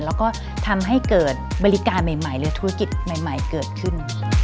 แล้วก็ทำให้เกิดบริการใหม่หรือธุรกิจใหม่เกิดขึ้น